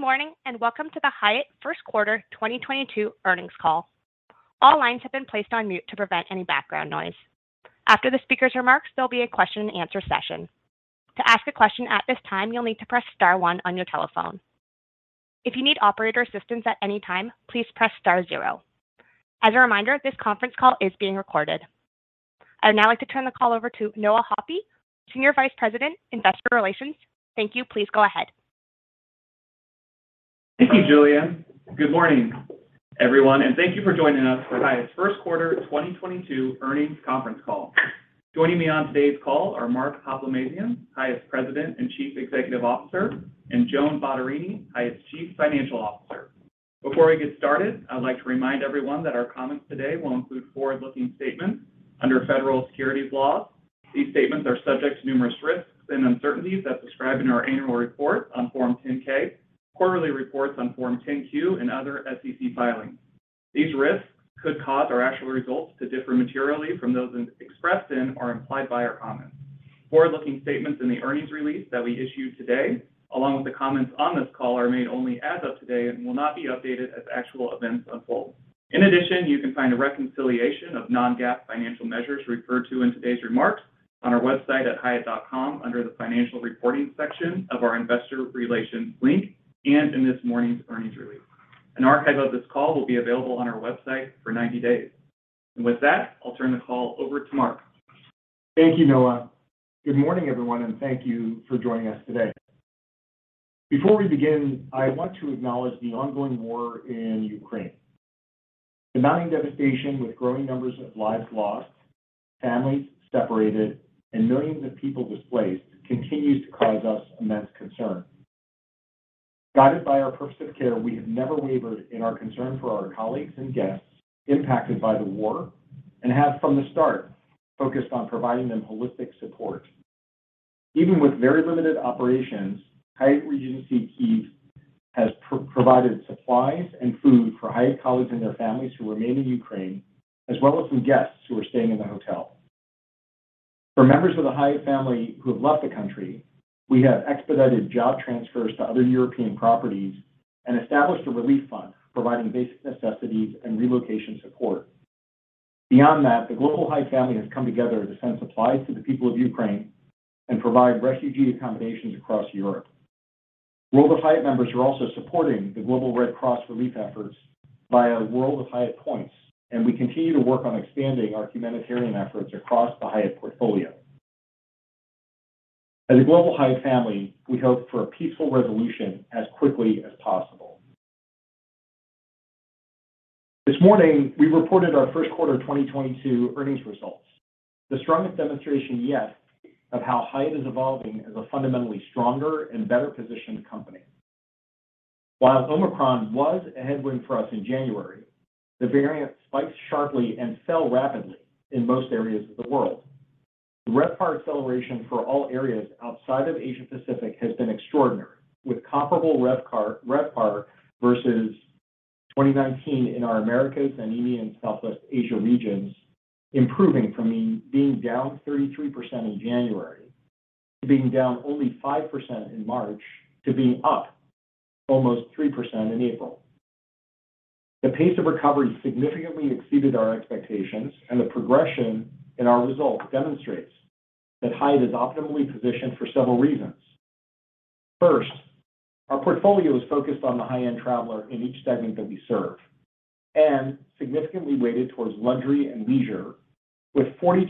Good morning, and welcome to the Hyatt Q1 2022 earnings call. All lines have been placed on mute to prevent any background noise. After the speaker's remarks, there'll be a question and answer session. To ask a question at this time, you'll need to press star one on your telephone. If you need operator assistance at any time, please press star zero. As a reminder, this conference call is being recorded. I would now like to turn the call over to Noah Hoppe, Senior Vice President, Investor Relations. Thank you. Please go ahead. Thank you, Juliane. Good morning, everyone, and thank you for joining us for Hyatt's Q1 2022 earnings conference call. Joining me on today's call are Mark Hoplamazian, Hyatt's President and Chief Executive Officer, and Joan Bottarini, Hyatt's Chief Financial Officer. Before we get started, I'd like to remind everyone that our comments today will include forward-looking statements under federal securities laws. These statements are subject to numerous risks and uncertainties as described in our annual report on Form 10-K, quarterly reports on Form 10-Q, and other SEC filings. These risks could cause our actual results to differ materially from those expressed in or implied by our comments. Forward-looking statements in the earnings release that we issued today, along with the comments on this call, are made only as of today and will not be updated as actual events unfold. In addition, you can find a reconciliation of non-GAAP financial measures referred to in today's remarks on our website at hyatt.com under the Financial Reporting section of our Investor Relations link and in this morning's earnings release. An archive of this call will be available on our website for 90 days. With that, I'll turn the call over to Mark. Thank you, Noah. Good morning, everyone, and thank you for joining us today. Before we begin, I want to acknowledge the ongoing war in Ukraine. The mounting devastation with growing numbers of lives lost, families separated, and millions of people displaced continues to cause us immense concern. Guided by our purpose of care, we have never wavered in our concern for our colleagues and guests impacted by the war and have from the start focused on providing them holistic support. Even with very limited operations, Hyatt Regency Kyiv has provided supplies and food for Hyatt colleagues and their families who remain in Ukraine, as well as some guests who are staying in the hotel. For members of the Hyatt family who have left the country, we have expedited job transfers to other European properties and established a relief fund providing basic necessities and relocation support. Beyond that, the global Hyatt family has come together to send supplies to the people of Ukraine and provide refugee accommodations across Europe. World of Hyatt members are also supporting the Global Red Cross relief efforts via World of Hyatt points, and we continue to work on expanding our humanitarian efforts across the Hyatt portfolio. As a global Hyatt family, we hope for a peaceful resolution as quickly as possible. This morning, we reported our Q1 2022 earnings results, the strongest demonstration yet of how Hyatt is evolving as a fundamentally stronger and better positioned company. While Omicron was a headwind for us in January, the variant spiked sharply and fell rapidly in most areas of the world. The RevPAR acceleration for all areas outside of Asia Pacific has been extraordinary, with comparable RevPAR versus 2019 in our Americas and India and Southeast Asia regions improving from being down 33% in January to being down only 5% in March to being up almost 3% in April. The pace of recovery significantly exceeded our expectations, and the progression in our results demonstrates that Hyatt is optimally positioned for several reasons. First, our portfolio is focused on the high-end traveler in each segment that we serve and significantly weighted towards luxury and leisure, with 42%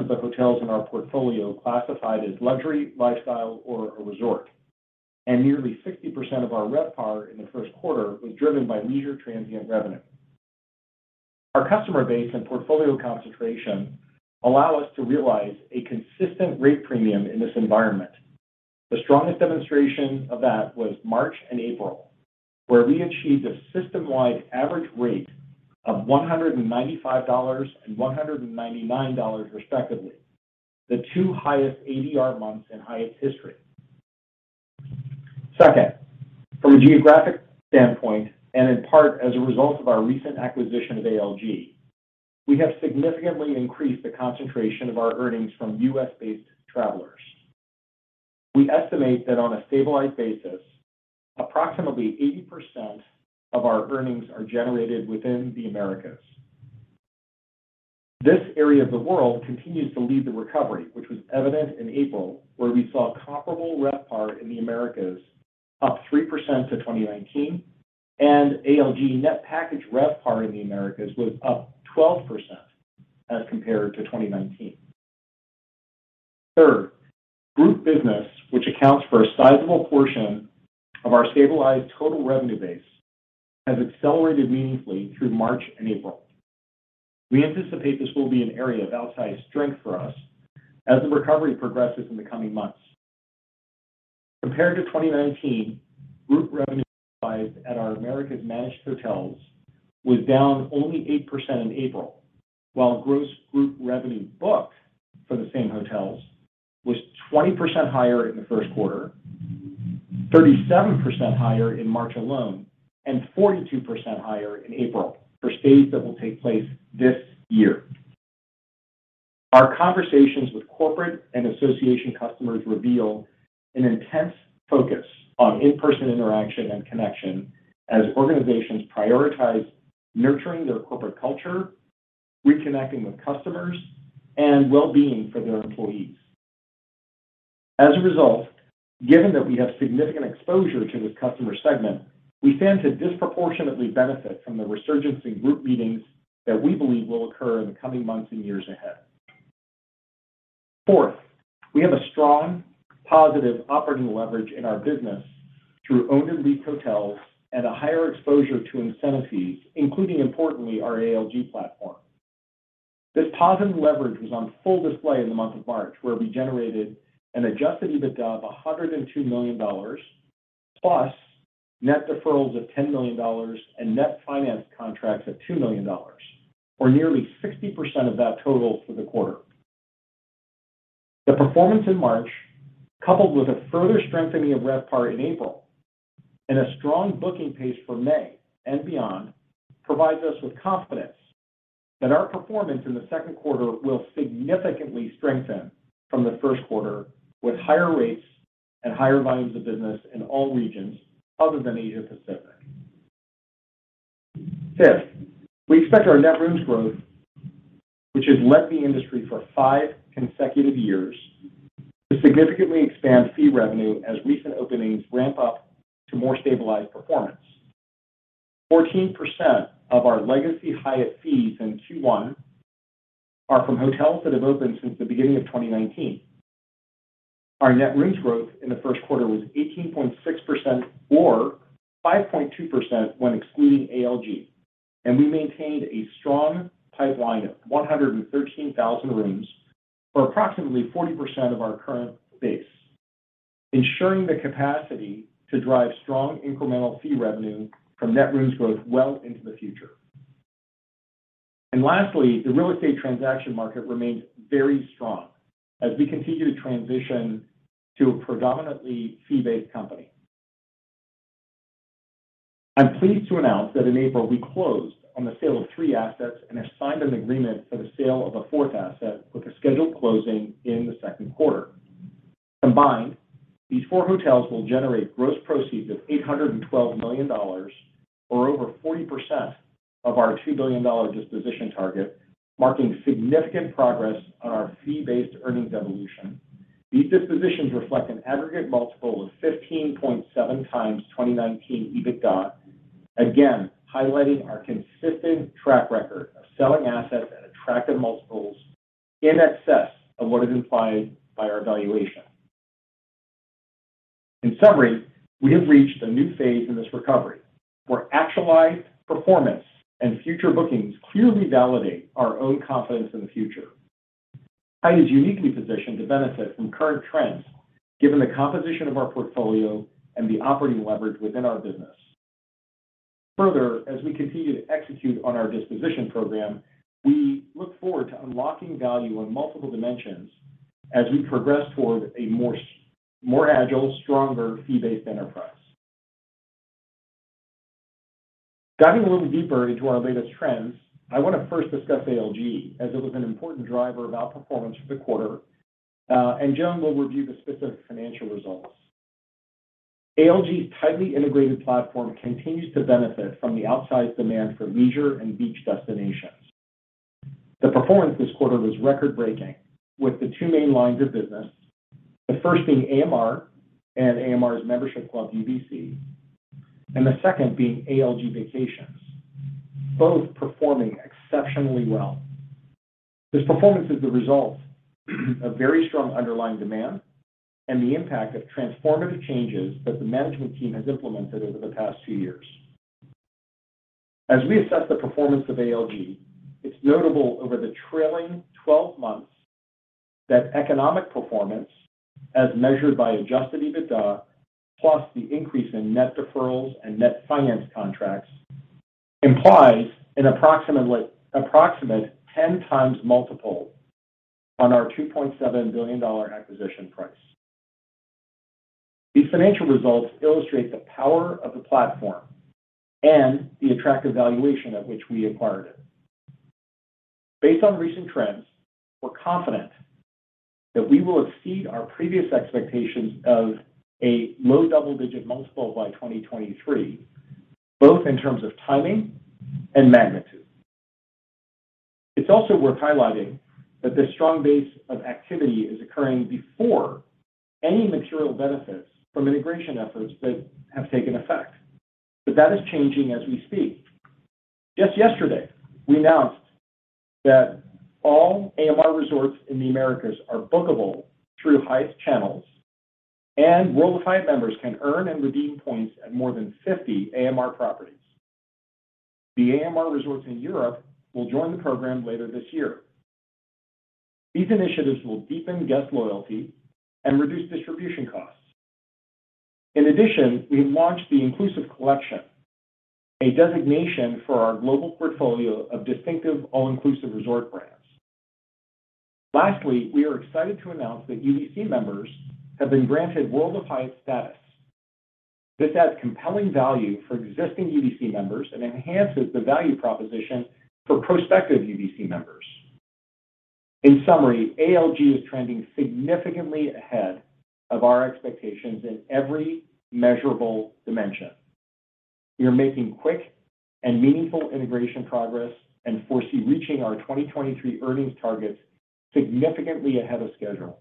of the hotels in our portfolio classified as luxury, lifestyle, or a resort, and nearly 60% of our RevPAR in the Q1 was driven by leisure transient revenue. Our customer base and portfolio concentration allow us to realize a consistent rate premium in this environment. The strongest demonstration of that was March and April, where we achieved a system-wide average rate of $195 and $199, respectively, the two highest ADR months in Hyatt's history. Second, from a geographic standpoint, and in part as a result of our recent acquisition of ALG, we have significantly increased the concentration of our earnings from US-based travelers. We estimate that on a stabilized basis, approximately 80% of our earnings are generated within the Americas. This area of the world continues to lead the recovery, which was evident in April, where we saw comparable RevPAR in the Americas up 3% to 2019, and ALG net package RevPAR in the Americas was up 12% as compared to 2019. Third, group business, which accounts for a sizable portion of our stabilized total revenue base, has accelerated meaningfully through March and April. We anticipate this will be an area of outsized strength for us as the recovery progresses in the coming months. Compared to 2019, group revenue revised at our Americas managed hotels was down only 8% in April, while gross group revenue booked for the same hotels was 20% higher in the Q1, 37% higher in March alone, and 42% higher in April for stays that will take place this year. Our conversations with corporate and association customers reveal an intense focus on in-person interaction and connection as organizations prioritize nurturing their corporate culture, reconnecting with customers, and well-being for their employees. As a result, given that we have significant exposure to this customer segment, we stand to disproportionately benefit from the resurgence in group meetings that we believe will occur in the coming months and years ahead. Fourth, we have a strong positive operating leverage in our business through owned and leased hotels and a higher exposure to incentive fees, including importantly, our ALG platform. This positive leverage was on full display in the month of March, where we generated an adjusted EBITDA of $102 million plus net deferrals of $10 million and net finance contracts of $2 million, or nearly 60% of that total for the quarter. The performance in March, coupled with a further strengthening of RevPAR in April, and a strong booking pace for May and beyond, provides us with confidence that our performance in the Q2 will significantly strengthen from the Q1 with higher rates and higher volumes of business in all regions other than Asia Pacific. Fifth, we expect our net rooms growth, which has led the industry for five consecutive years, to significantly expand fee revenue as recent openings ramp up to more stabilized performance. 14% of our legacy Hyatt fees in Q1 are from hotels that have opened since the beginning of 2019. Our net rooms growth in the Q1 was 18.6% or 5.2% when excluding ALG, and we maintained a strong pipeline of 113,000 rooms, or approximately 40% of our current base, ensuring the capacity to drive strong incremental fee revenue from net rooms growth well into the future. Lastly, the real estate transaction market remains very strong as we continue to transition to a predominantly fee-based company. I'm pleased to announce that in April we closed on the sale of three assets and have signed an agreement for the sale of a fourth asset with a scheduled closing in the Q2. Combined, these four hotels will generate gross proceeds of $812 million or over 40% of our $2 billion disposition target, marking significant progress on our fee-based earnings evolution. These dispositions reflect an aggregate multiple of 15.7x 2019 EBITDA, again, highlighting our consistent track record of selling assets at attractive multiples in excess of what is implied by our valuation. In summary, we have reached a new phase in this recovery, where actualized performance and future bookings clearly validate our own confidence in the future. Hyatt is uniquely positioned to benefit from current trends given the composition of our portfolio and the operating leverage within our business. Further, as we continue to execute on our disposition program, we look forward to unlocking value on multiple dimensions as we progress toward a more agile, stronger fee-based enterprise. Diving a little deeper into our latest trends, I want to first discuss ALG, as it was an important driver of outperformance for the quarter, and Joan will review the specific financial results. ALG's tightly integrated platform continues to benefit from the outsized demand for leisure and beach destinations. The performance this quarter was record-breaking, with the two main lines of business, the first being AMR and AMR's membership club, UVC, and the second being ALG Vacations, both performing exceptionally well. This performance is the result of very strong underlying demand and the impact of transformative changes that the management team has implemented over the past two years. As we assess the performance of ALG, it's notable over the trailing 12 months that economic performance, as measured by adjusted EBITDA, plus the increase in net deferrals and net finance contracts, implies an approximate 10x multiple on our $2.7 billion acquisition price. These financial results illustrate the power of the platform and the attractive valuation at which we acquired it. Based on recent trends, we're confident that we will exceed our previous expectations of a low double-digit multiple by 2023, both in terms of timing and magnitude. It's also worth highlighting that this strong base of activity is occurring before any material benefits from integration efforts that have taken effect, but that is changing as we speak. Just yesterday, we announced that all AMR Resorts in the Americas are bookable through Hyatt's channels, and World of Hyatt members can earn and redeem points at more than 50 AMR properties. The AMR Resorts in Europe will join the program later this year. These initiatives will deepen guest loyalty and reduce distribution costs. In addition, we have launched the Inclusive Collection, a designation for our global portfolio of distinctive all-inclusive resort brands. Lastly, we are excited to announce that UVC members have been granted World of Hyatt status. This adds compelling value for existing UVC members and enhances the value proposition for prospective UVC members. In summary, ALG is trending significantly ahead of our expectations in every measurable dimension. We are making quick and meaningful integration progress and foresee reaching our 2023 earnings targets significantly ahead of schedule.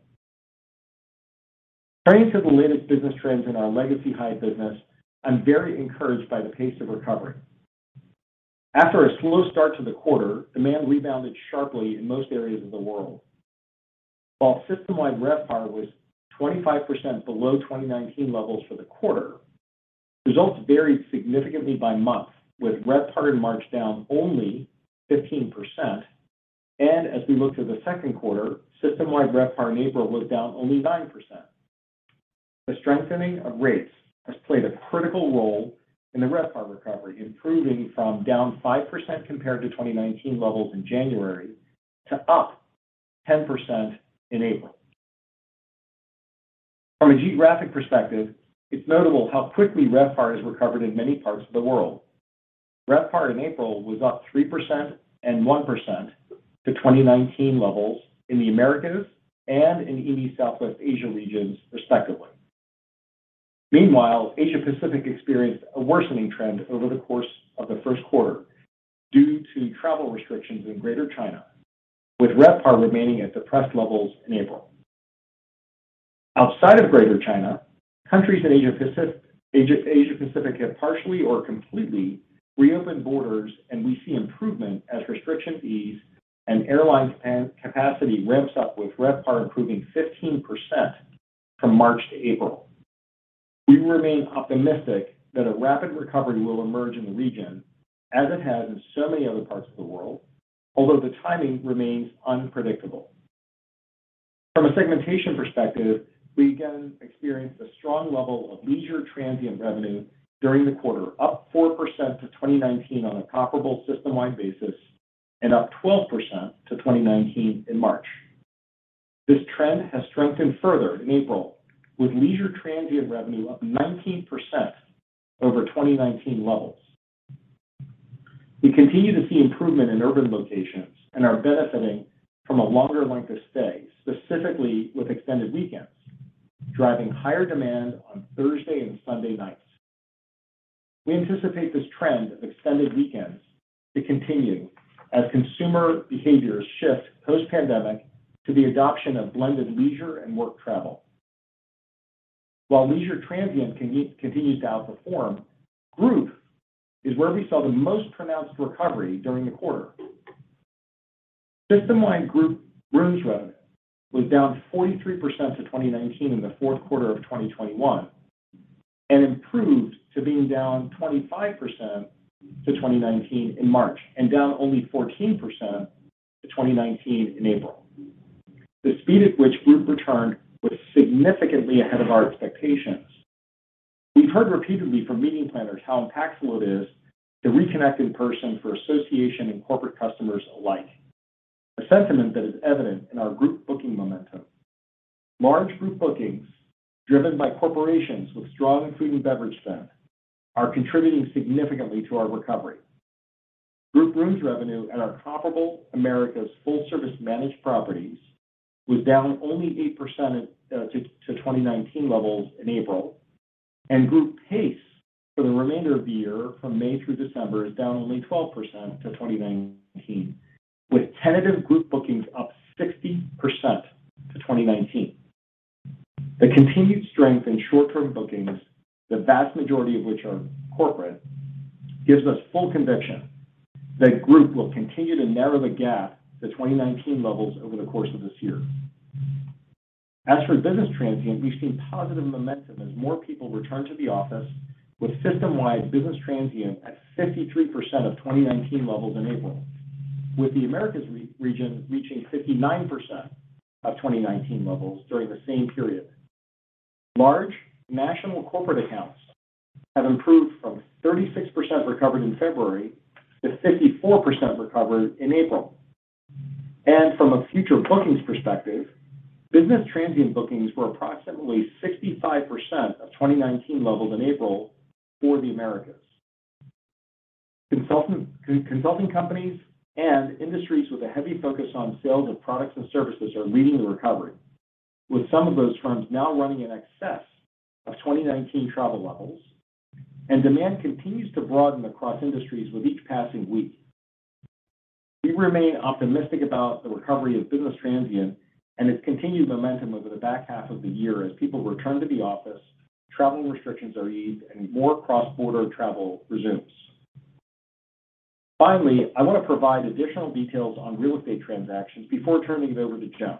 Turning to the latest business trends in our legacy Hyatt business, I'm very encouraged by the pace of recovery. After a slow start to the quarter, demand rebounded sharply in most areas of the world. While system-wide RevPAR was 25% below 2019 levels for the quarter, results varied significantly by month, with RevPAR in March down only 15%. As we look to the Q2, system-wide RevPAR in April was down only 9%. The strengthening of rates has played a critical role in the RevPAR recovery, improving from down 5% compared to 2019 levels in January to up 10% in April. From a geographic perspective, it's notable how quickly RevPAR has recovered in many parts of the world. RevPAR in April was up 3% and 1% to 2019 levels in the Americas and in EAME/Southwest Asia regions, respectively. Meanwhile, Asia Pacific experienced a worsening trend over the course of the Q1 due to travel restrictions in Greater China, with RevPAR remaining at depressed levels in April. Outside of Greater China, countries in Asia Pacific have partially or completely reopened borders, and we see improvement as restrictions ease and airline capacity ramps up, with RevPAR improving 15% from March to April. We remain optimistic that a rapid recovery will emerge in the region as it has in so many other parts of the world, although the timing remains unpredictable. From a segmentation perspective, we again experienced a strong level of leisure transient revenue during the quarter, up 4% to 2019 on a comparable system-wide basis and up 12% to 2019 in March. This trend has strengthened further in April, with leisure transient revenue up 19% over 2019 levels. We continue to see improvement in urban locations and are benefiting from a longer length of stay, specifically with extended weekends, driving higher demand on Thursday and Sunday nights. We anticipate this trend of extended weekends to continue as consumer behaviors shift post-pandemic to the adoption of blended leisure and work travel. While leisure transient continues to outperform, group is where we saw the most pronounced recovery during the quarter. System-wide group rooms revenue was down 43% to 2019 in the Q4 of 2021 and improved to being down 25% to 2019 in March and down only 14% to 2019 in April. The speed at which group returned was significantly ahead of our expectations. We've heard repeatedly from meeting planners how impactful it is to reconnect in person for association and corporate customers alike, a sentiment that is evident in our group booking momentum. Large group bookings driven by corporations with strong food and beverage spend are contributing significantly to our recovery. Group rooms revenue at our comparable Americas full-service managed properties was down only 8% to 2019 levels in April, and group pace for the remainder of the year from May through December is down only 12% to 2019, with tentative group bookings up 60% to 2019. The continued strength in short-term bookings, the vast majority of which are corporate, gives us full conviction that group will continue to narrow the gap to 2019 levels over the course of this year. As for business transient, we've seen positive momentum as more people return to the office with system-wide business transient at 53% of 2019 levels in April, with the Americas region reaching 59% of 2019 levels during the same period. Large national corporate accounts have improved from 36% recovered in February to 54% recovered in April. From a future bookings perspective, business transient bookings were approximately 65% of 2019 levels in April for the Americas. Consulting companies and industries with a heavy focus on sales of products and services are leading the recovery, with some of those firms now running in excess of 2019 travel levels, and demand continues to broaden across industries with each passing week. We remain optimistic about the recovery of business transient and its continued momentum over the back half of the year as people return to the office, travel restrictions are eased, and more cross-border travel resumes. Finally, I want to provide additional details on real estate transactions before turning it over to Joan.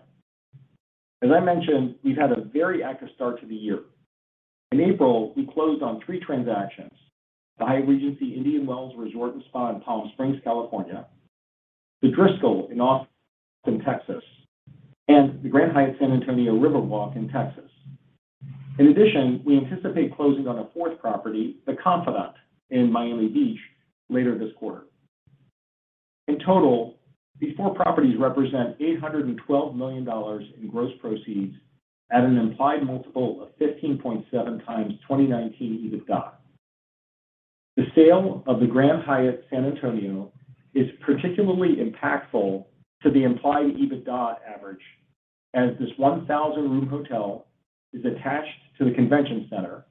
As I mentioned, we've had a very active start to the year. In April, we closed on three transactions: the Hyatt Regency Indian Wells Resort & Spa in Palm Springs, California, The Driskill in Austin, Texas, and the Grand Hyatt San Antonio River Walk in Texas. In addition, we anticipate closing on a fourth property, The Confidante, in Miami Beach later this quarter. In total, these four properties represent $812 million in gross proceeds at an implied multiple of 15.7x 2019 EBITDA. The sale of the Grand Hyatt San Antonio is particularly impactful to the implied EBITDA average, as this 1,000-room hotel is attached to the convention center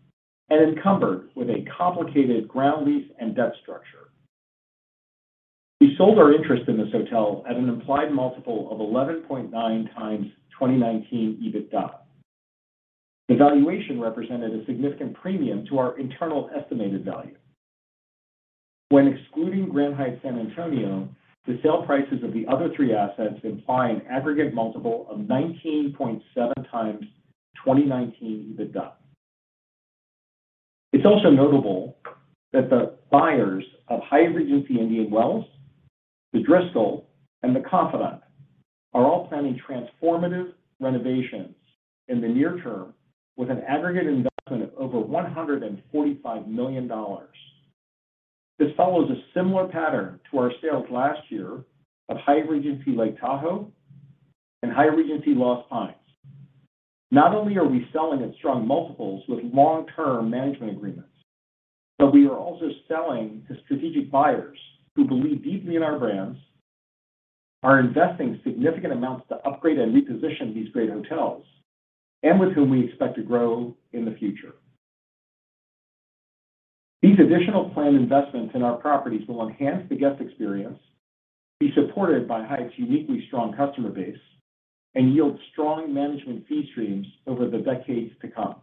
and encumbered with a complicated ground lease and debt structure. We sold our interest in this hotel at an implied multiple of 11.9x 2019 EBITDA. The valuation represented a significant premium to our internal estimated value. When excluding Grand Hyatt San Antonio, the sale prices of the other three assets imply an aggregate multiple of 19.7x 2019 EBITDA. It's also notable that the buyers of Hyatt Regency Indian Wells, The Driskill, and The Confidante are all planning transformative renovations in the near term with an aggregate investment of over $145 million. This follows a similar pattern to our sales last year of Hyatt Regency Lake Tahoe and Hyatt Regency Lost Pines. Not only are we selling at strong multiples with long-term management agreements, but we are also selling to strategic buyers who believe deeply in our brands, are investing significant amounts to upgrade and reposition these great hotels, and with whom we expect to grow in the future. These additional planned investments in our properties will enhance the guest experience, be supported by Hyatt's uniquely strong customer base, and yield strong management fee streams over the decades to come.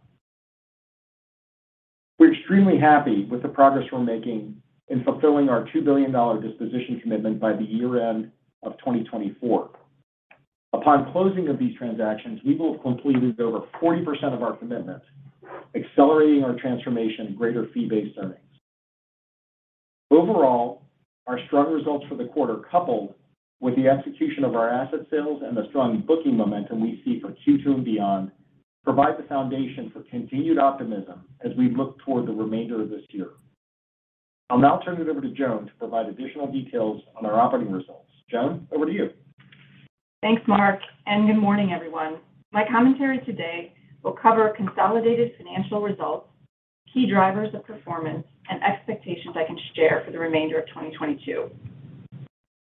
We're extremely happy with the progress we're making in fulfilling our $2 billion disposition commitment by the year-end of 2024. Upon closing of these transactions, we will have completed over 40% of our commitment, accelerating our transformation to greater fee-based earnings. Overall, our strong results for the quarter, coupled with the execution of our asset sales and the strong booking momentum we see for Q2 and beyond, provide the foundation for continued optimism as we look toward the remainder of this year. I'll now turn it over to Joan to provide additional details on our operating results. Joan, over to you. Thanks, Mark, and good morning, everyone. My commentary today will cover consolidated financial results, key drivers of performance, and expectations I can share for the remainder of 2022.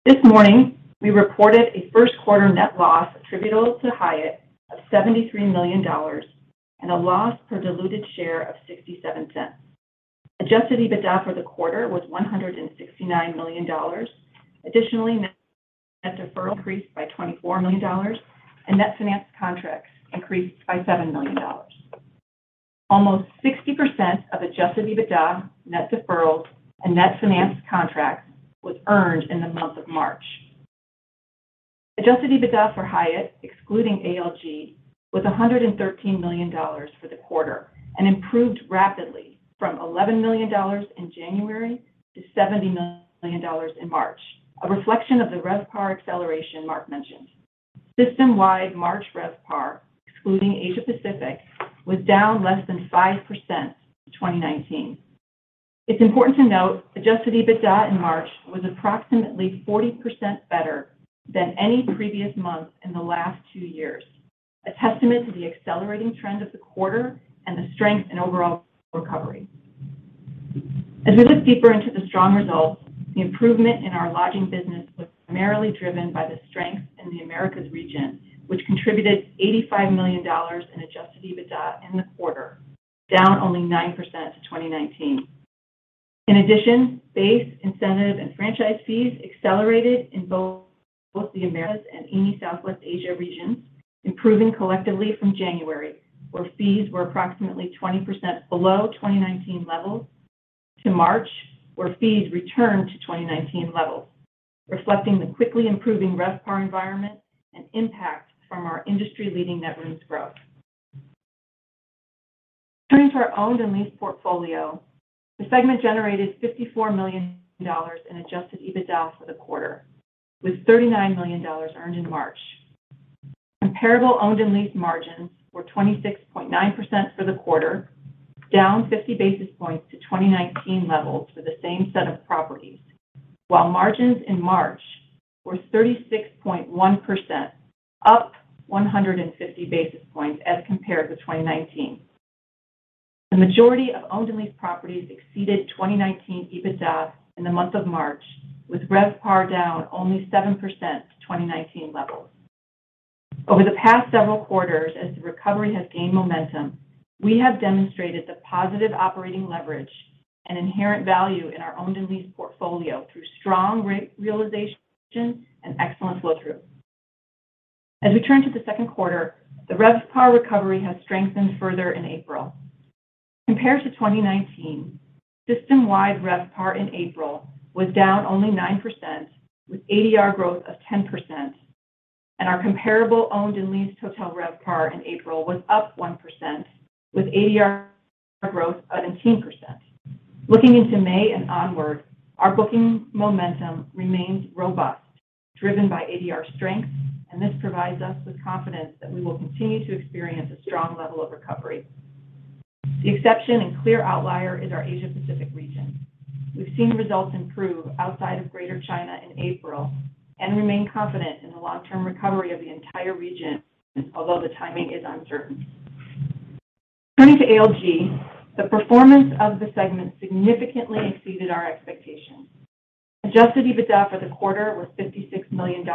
This morning, we reported a Q1 net loss attributable to Hyatt of $73 million and a loss per diluted share of $0.67. Adjusted EBITDA for the quarter was $169 million. Additionally, net deferral increased by $24 million, and net finance contracts increased by $7 million. Almost 60% of adjusted EBITDA, net deferrals, and net finance contracts was earned in the month of March. Adjusted EBITDA for Hyatt, excluding ALG, was $113 million for the quarter and improved rapidly from $11 million in January to $70 million in March, a reflection of the RevPAR acceleration Mark mentioned. System-wide March RevPAR, excluding Asia Pacific, was down less than 5% to 2019. It's important to note adjusted EBITDA in March was approximately 40% better than any previous month in the last two years, a testament to the accelerating trend of the quarter and the strength in overall recovery. As we look deeper into the strong results, the improvement in our lodging business was primarily driven by the strength in the Americas region, which contributed $85 million in adjusted EBITDA in the quarter, down only 9% to 2019. In addition, base incentive and franchise fees accelerated in both the Americas and EAME/Southwest Asia regions, improving collectively from January, where fees were approximately 20% below 2019 levels, to March, where fees returned to 2019 levels, reflecting the quickly improving RevPAR environment and impact from our industry-leading net rooms growth. Turning to our owned and leased portfolio, the segment generated $54 million in adjusted EBITDA for the quarter, with $39 million earned in March. Comparable owned and leased margins were 26.9% for the quarter, down 50 basis points to 2019 levels for the same set of properties, while margins in March were 36.1%, up 150 basis points as compared to 2019. The majority of owned and leased properties exceeded 2019 EBITDA in the month of March, with RevPAR down only 7% to 2019 levels. Over the past several quarters, as the recovery has gained momentum, we have demonstrated the positive operating leverage and inherent value in our owned and leased portfolio through strong rate realization and excellent flow through. As we turn to the Q2, the RevPAR recovery has strengthened further in April. Compared to 2019, system-wide RevPAR in April was down only 9%, with ADR growth of 10%, and our comparable owned and leased hotel RevPAR in April was up 1%, with ADR growth of 17%. Looking into May and onward, our booking momentum remains robust, driven by ADR strength, and this provides us with confidence that we will continue to experience a strong level of recovery. The exception and clear outlier is our Asia Pacific region. We've seen results improve outside of Greater China in April and remain confident in the long-term recovery of the entire region, although the timing is uncertain. Turning to ALG, the performance of the segment significantly exceeded our expectations. Adjusted EBITDA for the quarter was $56 million,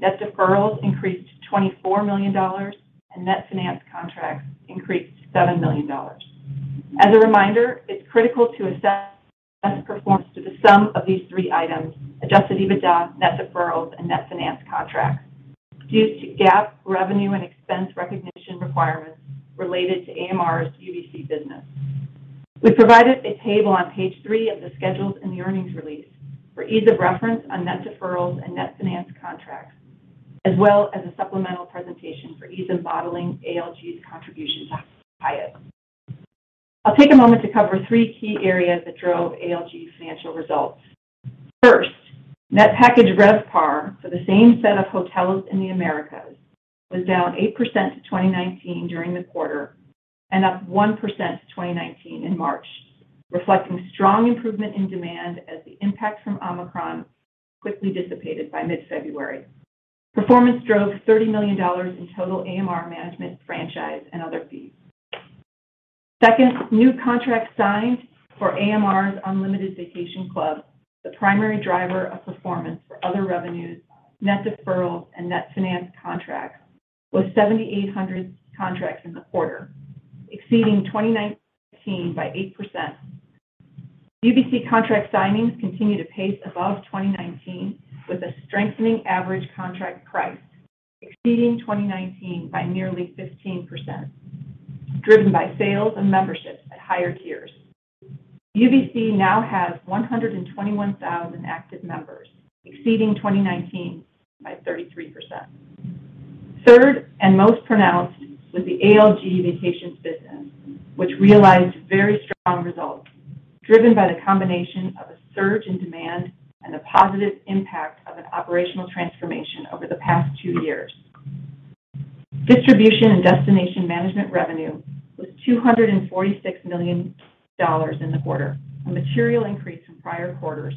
net deferrals increased to $24 million, and net finance contracts increased to $7 million. As a reminder, it's critical to assess performance to the sum of these three items, adjusted EBITDA, net deferrals, and net finance contracts due to GAAP revenue and expense recognition requirements related to AMR's UVC business. We provided a table on page three of the schedules in the earnings release for ease of reference on net deferrals and net finance contracts, as well as a supplemental presentation for ease of modeling ALG's contribution to Hyatt. I'll take a moment to cover three key areas that drove ALG's financial results. First, net package RevPAR for the same set of hotels in the Americas was down 8% to 2019 during the quarter and up 1% to 2019 in March, reflecting strong improvement in demand as the impact from Omicron quickly dissipated by mid-February. Performance drove $30 million in total AMR management franchise and other fees. Second, new contracts signed for AMR's Unlimited Vacation Club, the primary driver of performance for other revenues, net deferrals, and net finance contracts, was 7,800 contracts in the quarter, exceeding 2019 by 8%. UVC contract signings continue to pace above 2019, with a strengthening average contract price exceeding 2019 by nearly 15%, driven by sales and memberships at higher tiers. UVC now has 121,000 active members, exceeding 2019 by 33%. Third, and most pronounced, was the ALG Vacations business, which realized very strong results, driven by the combination of a surge in demand and the positive impact of an operational transformation over the past two years. Distribution and destination management revenue was $246 million in the quarter, a material increase from prior quarters,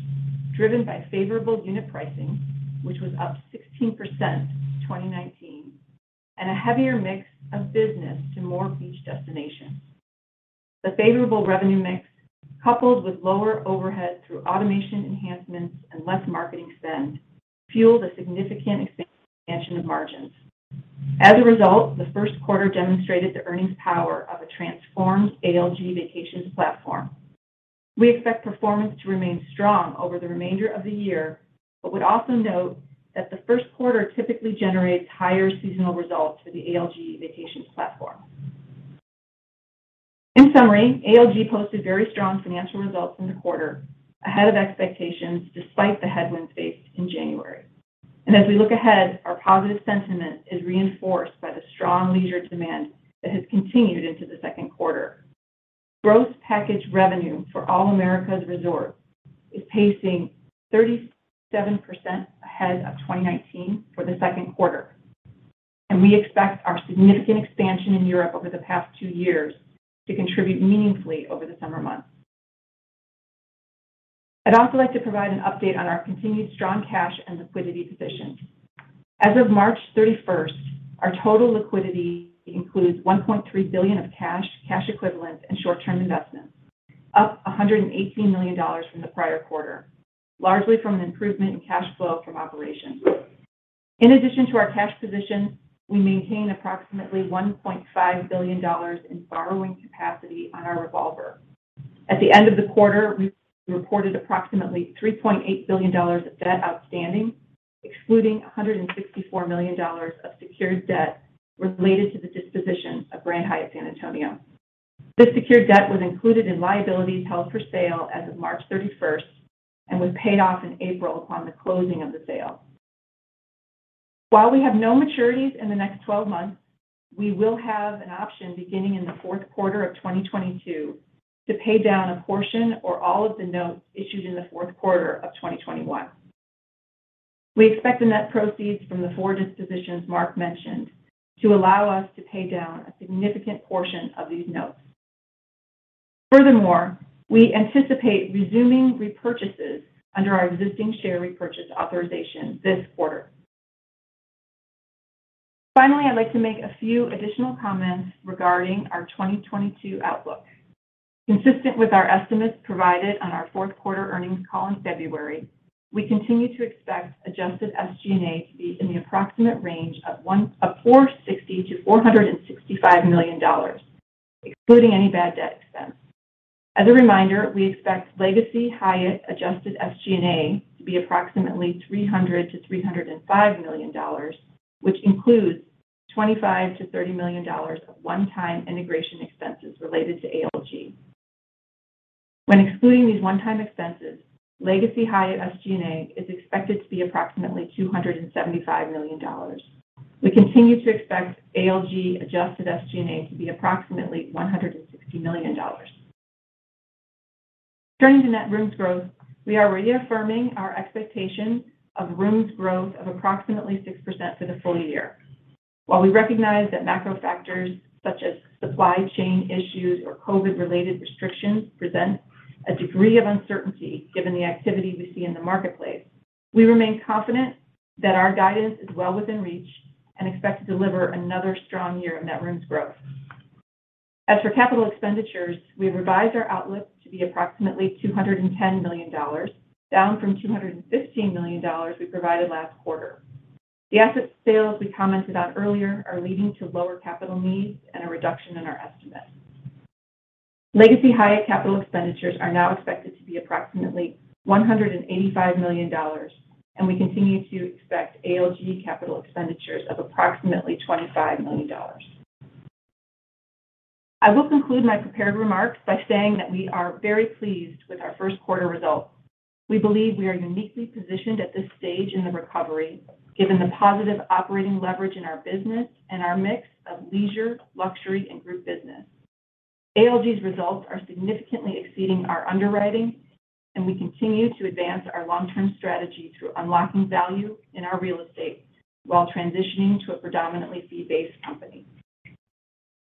driven by favorable unit pricing, which was up 16% to 2019, and a heavier mix of business to more beach destinations. The favorable revenue mix, coupled with lower overhead through automation enhancements and less marketing spend, fueled a significant expansion of margins. As a result, the Q1 demonstrated the earnings power of a transformed ALG Vacations platform. We expect performance to remain strong over the remainder of the year, but would also note that the Q1 typically generates higher seasonal results for the ALG Vacations platform. In summary, ALG posted very strong financial results in the quarter, ahead of expectations despite the headwinds faced in January. As we look ahead, our positive sentiment is reinforced by the strong leisure demand that has continued into the Q2. Gross package revenue for all-inclusive resorts is pacing 37% ahead of 2019 for the Q2, and we expect our significant expansion in Europe over the past two years to contribute meaningfully over the summer months. I'd also like to provide an update on our continued strong cash and liquidity position. As of March 31, our total liquidity includes $1.3 billion of cash equivalents, and short-term investments, up $118 million from the prior quarter, largely from an improvement in cash flow from operations. In addition to our cash position, we maintain approximately $1.5 billion in borrowing capacity on our revolver. At the end of the quarter, we reported approximately $3.8 billion of debt outstanding, excluding $164 million of secured debt related to the disposition of Grand Hyatt San Antonio. This secured debt was included in liabilities held for sale as of March 31st and was paid off in April upon the closing of the sale. While we have no maturities in the next 12 months, we will have an option beginning in the Q4 of 2022 to pay down a portion or all of the notes issued in the Q4 of 2021. We expect the net proceeds from the 4 dispositions Mark mentioned to allow us to pay down a significant portion of these notes. Furthermore, we anticipate resuming repurchases under our existing share repurchase authorization this quarter. Finally, I'd like to make a few additional comments regarding our 2022 outlook. Consistent with our estimates provided on our Q4 earnings call in February, we continue to expect adjusted SG&A to be in the approximate range of $460 million to $465 million, excluding any bad debt expense. As a reminder, we expect legacy Hyatt adjusted SG&A to be approximately $300 million to $305 million, which includes $25 million to $30 million of one-time integration expenses related to ALG. When excluding these one-time expenses, legacy Hyatt SG&A is expected to be approximately $275 million. We continue to expect ALG adjusted SG&A to be approximately $160 million. Turning to net rooms growth, we are reaffirming our expectation of rooms growth of approximately 6% for the full year. While we recognize that macro factors such as supply chain issues or COVID-related restrictions present a degree of uncertainty given the activity we see in the marketplace, we remain confident that our guidance is well within reach and expect to deliver another strong year of net rooms growth. As for capital expenditures, we revised our outlook to be approximately $210 million, down from $215 million we provided last quarter. The asset sales we commented on earlier are leading to lower capital needs and a reduction in our estimates. Legacy Hyatt capital expenditures are now expected to be approximately $185 million, and we continue to expect ALG capital expenditures of approximately $25 million. I will conclude my prepared remarks by saying that we are very pleased with our Q1 results. We believe we are uniquely positioned at this stage in the recovery, given the positive operating leverage in our business and our mix of leisure, luxury, and group business. ALG's results are significantly exceeding our underwriting, and we continue to advance our long-term strategy through unlocking value in our real estate while transitioning to a predominantly fee-based company.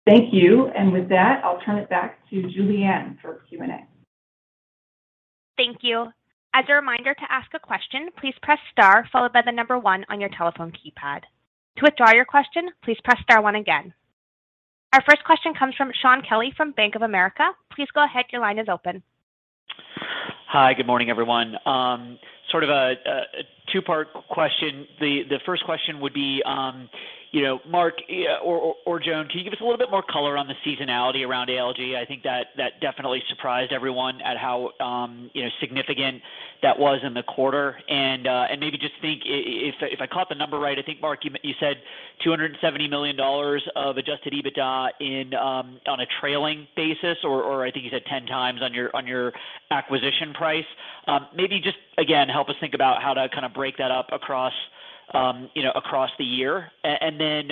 Thank you. With that, I'll turn it back to Julianne for Q&A. Thank you. As a reminder to ask a question, please press star followed by the number one on your telephone keypad. To withdraw your question, please press star one again. Our first question comes from Shaun Kelley from Bank of America. Please go ahead. Your line is open. Hi. Good morning, everyone. Sort of a two-part question. The first question would be, you know, Mark or Joan, can you give us a little bit more color on the seasonality around ALG? I think that definitely surprised everyone at how, you know, significant that was in the quarter. Maybe just think if I caught the number right, I think Mark you said $270 million of adjusted EBITDA on a trailing basis, or I think you said 10x on your acquisition price. Maybe just again, help us think about how to kind of break that up across, you know, across the year. You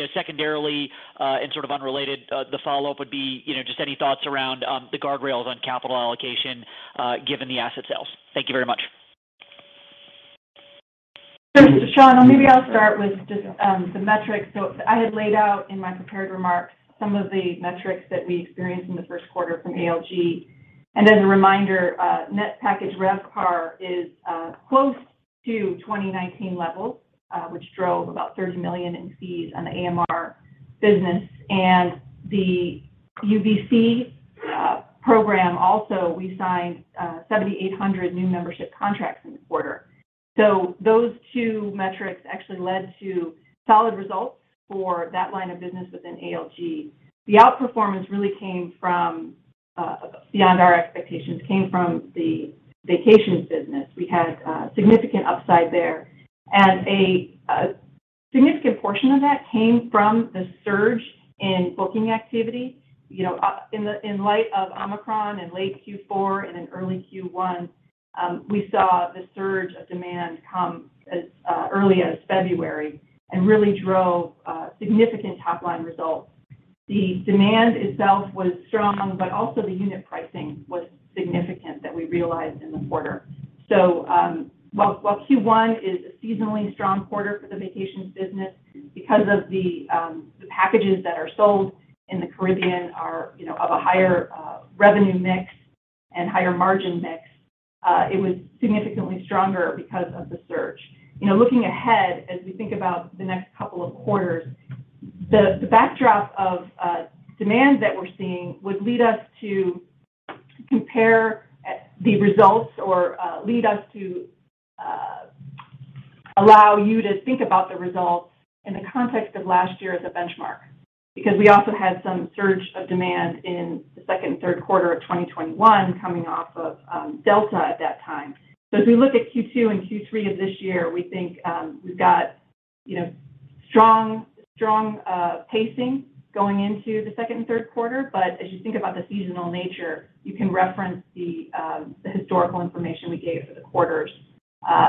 know, secondarily, and sort of unrelated, the follow-up would be, you know, just any thoughts around the guardrails on capital allocation, given the asset sales. Thank you very much. Thanks, Sean. Maybe I'll start with just, the metrics. I had laid out in my prepared remarks some of the metrics that we experienced in the Q1 from ALG. As a reminder, net package RevPAR is close to 2019 levels, which drove about $30 million in fees on the AMR business. The UVC program also, we signed 7,800 new membership contracts in the quarter. Those two metrics actually led to solid results for that line of business within ALG. The outperformance really came from beyond our expectations, from the vacations business. We had significant upside there, and a significant portion of that came from the surge in booking activity. You know, in light of Omicron in late Q4 and in early Q1, we saw the surge of demand come as early as February and really drove significant top line results. The demand itself was strong, but also the unit pricing was significant that we realized in the quarter. While Q1 is a seasonally strong quarter for the vacations business because of the packages that are sold in the Caribbean are, you know, of a higher revenue mix and higher margin mix, it was significantly stronger because of the surge. You know, looking ahead, as we think about the next couple of quarters, the backdrop of demand that we're seeing would lead us to allow you to think about the results in the context of last year as a benchmark. Because we also had some surge of demand in the second and Q3 of 2021 coming off of Delta at that time. As we look at Q2 and Q3 of this year, we think we've got, you know, strong pacing going into the second and Q3. As you think about the seasonal nature, you can reference the historical information we gave for the quarters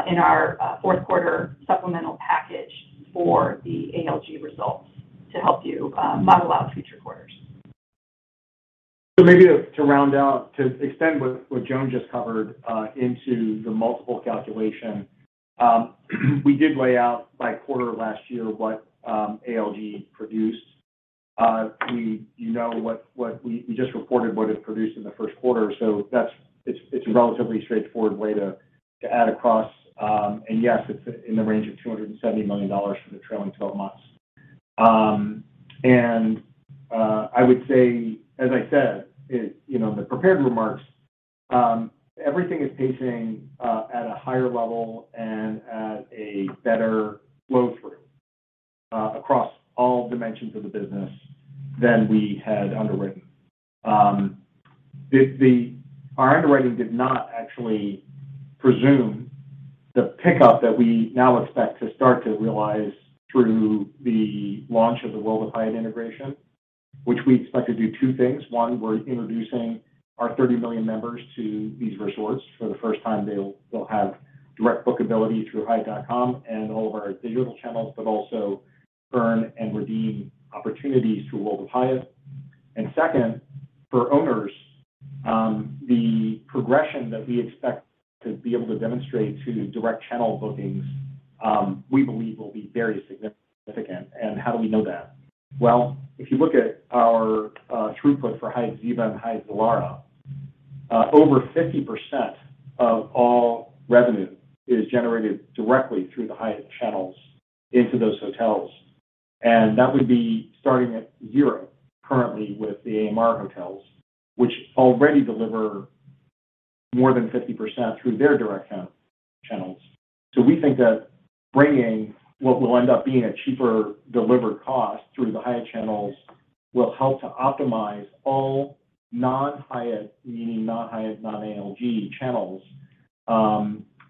in our Q4 supplemental package for the ALG results to help you model out future quarters. Maybe to round out, to extend what Joan just covered into the multiple calculations. We did lay out by quarter last year what ALG produced. We just reported what it produced in the Q1. It's a relatively straightforward way to add across. And yes, it's in the range of $270 million for the trailing twelve months. And I would say, as I said, in the prepared remarks, everything is pacing at a higher level and at a better flow through across all dimensions of the business than we had underwritten. Our underwriting did not actually presume the pickup that we now expect to start to realize through the launch of the World of Hyatt integration, which we expect to do two things. One, we're introducing our 30 million members to these resorts. For the first time, they'll have direct bookability through hyatt.com and all of our digital channels, but also earn and redeem opportunities through World of Hyatt. Second, for owners, the progression that we expect to be able to demonstrate to direct channel bookings, we believe will be very significant. How do we know that? Well, if you look at our throughput for Hyatt Ziva and Hyatt Zilara, over 50% of all revenue is generated directly through the Hyatt channels into those hotels. That would be starting at zero currently with the AMR hotels, which already deliver more than 50% through their direct contract channels. We think that bringing what will end up being a cheaper delivered cost through the Hyatt channels will help to optimize all non-Hyatt, meaning not Hyatt, not ALG channels,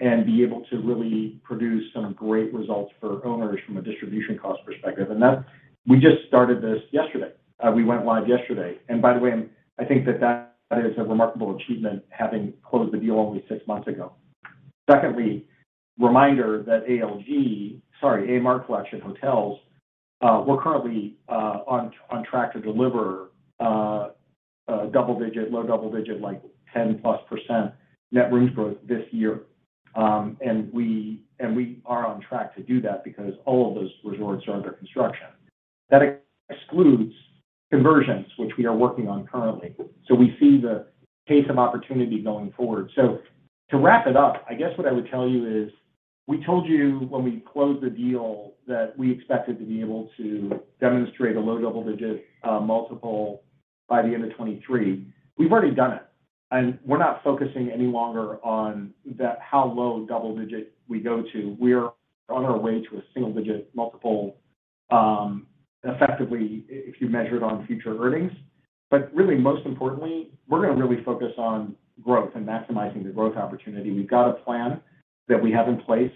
and be able to really produce some great results for owners from a distribution cost perspective. That's. We just started this yesterday. We went live yesterday. By the way, I think that is a remarkable achievement having closed the deal only six months ago. Secondly, reminder that ALG, sorry, AMR Collection Hotels, we're currently on track to deliver double digit, low double digit, like 10+% net rooms growth this year. We are on track to do that because all of those resorts are under construction. That excludes conversions, which we are working on currently. We see the pace of opportunity going forward. To wrap it up, I guess what I would tell you is, we told you when we closed the deal that we expected to be able to demonstrate a low double-digit multiple by the end of 2023. We've already done it, and we're not focusing any longer on the how low double-digit we go to. We're on our way to a single-digit multiple, effectively if you measure it on future earnings. But really, most importantly, we're gonna really focus on growth and maximizing the growth opportunity. We've got a plan that we have in place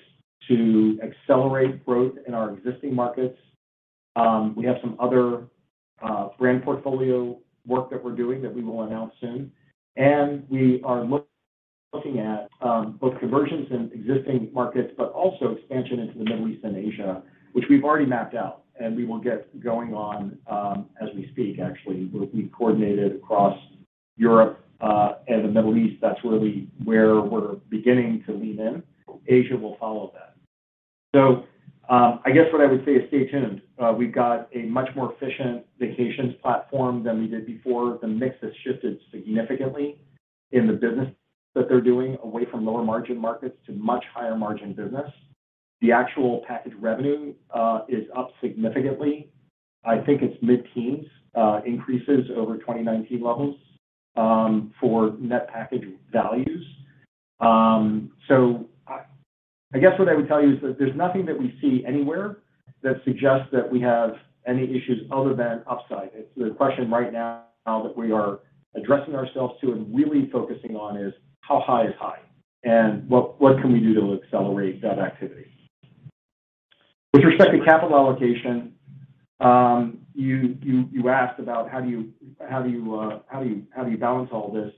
to accelerate growth in our existing markets. We have some other brand portfolio work that we're doing that we will announce soon. We are looking at both conversions in existing markets, but also expansion into the Middle East and Asia, which we've already mapped out, and we will get going on as we speak, actually. We've coordinated across Europe and the Middle East. That's where we're beginning to lean in. Asia will follow that. I guess what I would say is stay tuned. We've got a much more efficient vacations platform than we did before. The mix has shifted significantly in the business that they're doing away from lower margin markets to much higher margin business. The actual package revenue is up significantly. I think it's mid-teens increases over 2019 levels for net package values. I guess what I would tell you is that there's nothing that we see anywhere that suggests that we have any issues other than upside. It's the question right now that we are addressing ourselves to and really focusing on is how high is high, and what can we do to accelerate that activity? With respect to capital allocation, you asked about how do you balance all this?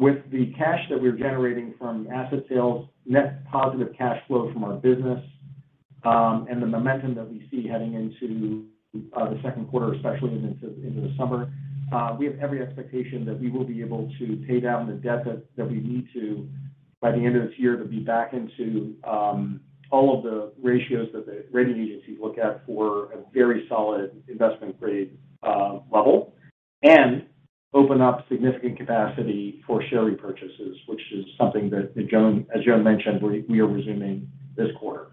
With the cash that we're generating from asset sales, net positive cash flow from our business, and the momentum that we see heading into the Q2, especially into the summer, we have every expectation that we will be able to pay down the debt that we need to by the end of this year to be back into all of the ratios that the rating agencies look at for a very solid investment grade level and open up significant capacity for share repurchases, which is something that Joan mentioned, we are resuming this quarter.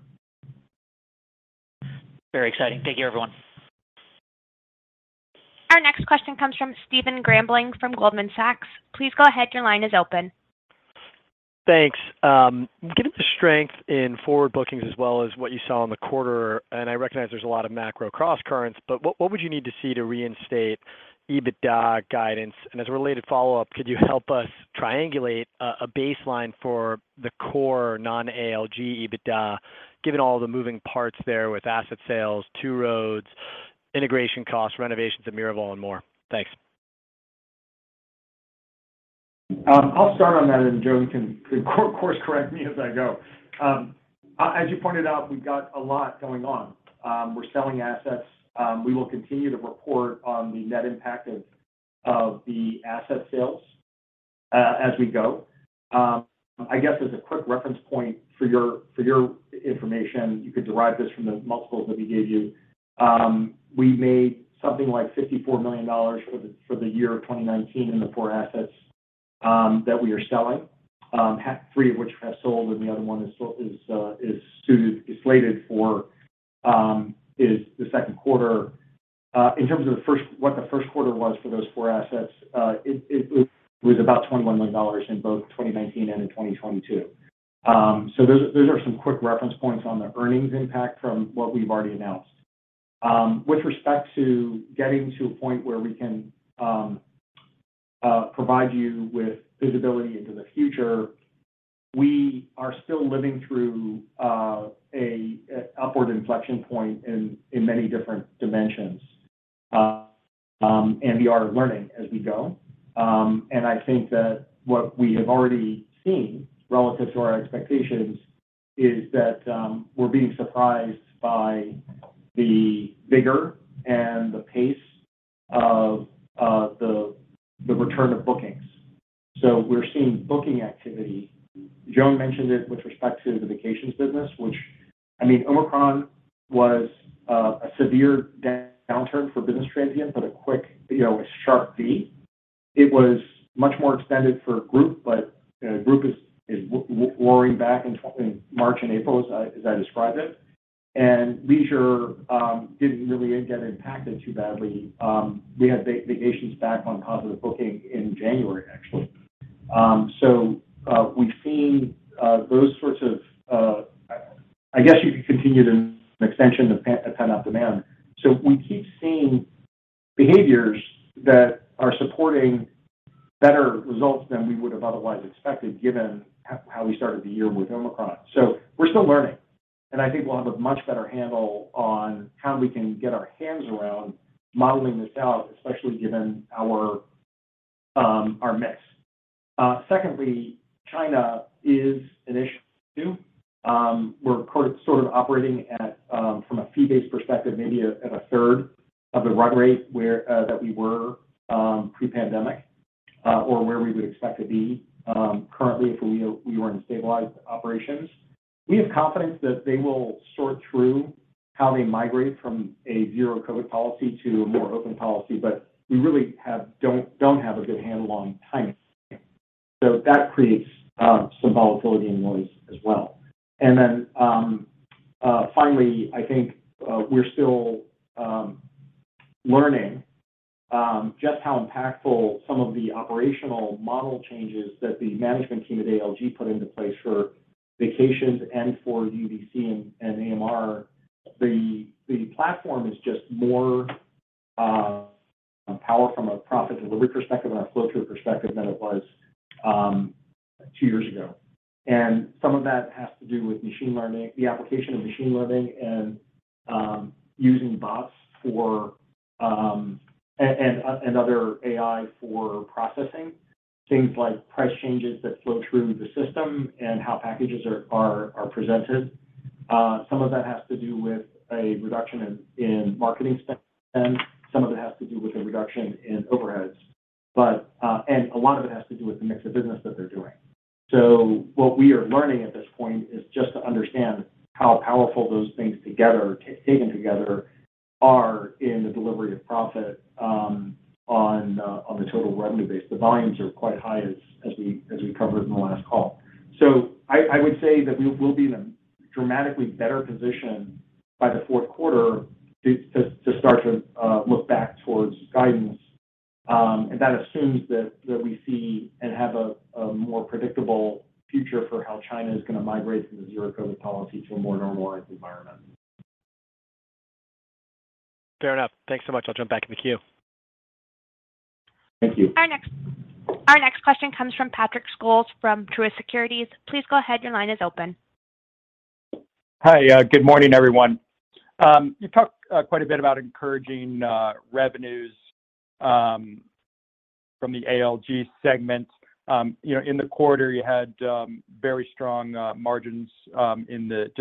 Very exciting. Thank you, everyone. Our next question comes from Stephen Grambling from Goldman Sachs. Please go ahead, your line is open. Thanks. Given the strength in forward bookings as well as what you saw in the quarter, and I recognize there's a lot of macro crosscurrents, but what would you need to see to reinstate EBITDA guidance? And as a related follow-up, could you help us triangulate a baseline for the core non-ALG EBITDA, given all the moving parts there with asset sales, Two Roads, integration costs, renovations at Miraval and more? Thanks. I'll start on that, and Joan can course correct me as I go. As you pointed out, we've got a lot going on. We're selling assets. We will continue to report on the net impact of the asset sales as we go. I guess as a quick reference point for your information, you could derive this from the multiples that we gave you. We made something like $54 million for the year of 2019 in the four assets that we are selling, three of which have sold and the other one is slated for the Q2. In terms of what the Q1 was for those four assets, it was about $21 million in both 2019 and 2022. Those are some quick reference points on the earnings impact from what we've already announced. With respect to getting to a point where we can provide you with visibility into the future, we are still living through an upward inflection point in many different dimensions, and we are learning as we go. I think that what we have already seen relative to our expectations is that we're being surprised by the vigor and the pace of the return of bookings. We're seeing booking activity. Joan mentioned it with respect to the vacations business, which I mean, Omicron was a severe downturn for business transient, but a quick, you know, a sharp V. It was much more extended for group, but, you know, group is roaring back in March and April, as I described it. Leisure didn't really get impacted too badly. We had vacations back on positive booking in January, actually. We've seen those sorts of, I guess you could continue to an extension of pent-up demand. We keep seeing behaviors that are supporting better results than we would have otherwise expected, given how we started the year with Omicron. We're still learning, and I think we'll have a much better handle on how we can get our hands around modeling this out, especially given our mix. Secondly, China is an issue too. We're sort of operating at, from a fee-based perspective, maybe at a third of the run rate where we were pre-pandemic or where we would expect to be currently if we were in stabilized operations. We have confidence that they will sort through how they migrate from a zero-COVID policy to a more open policy, but we really don't have a good handle on timing. That creates some volatility and noise as well. Then finally, I think, we're still learning just how impactful some of the operational model changes that the management team at ALG put into place for vacations and for UVC and AMR. The platform is just more powerful from a profit delivery perspective and a flow-through perspective than it was two years ago. Some of that has to do with machine learning, the application of machine learning and using bots for, and other AI for processing things like price changes that flow through the system and how packages are presented. Some of that has to do with a reduction in marketing spend. Some of it has to do with a reduction in overheads, and a lot of it has to do with the mix of business that they're doing. What we are learning at this point is just to understand how powerful those things together, taken together are in the delivery of profit on the total revenue base. The volumes are quite high as we covered in the last call. I would say that we'll be in a dramatically better position by the Q4 to start to look back towards guidance. That assumes that we see and have a more predictable future for how China is gonna migrate from the zero-COVID policy to a more normalized environment. Fair enough. Thanks so much. I'll jump back in the queue. Thank you. Our next question comes from Patrick Scholes from Truist Securities. Please go ahead. Your line is open. Hi. Good morning, everyone. You talked quite a bit about encouraging revenues from the ALG segment. You know, in the quarter, you had very strong margins in the